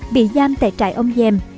bị giam tại trại ông giềm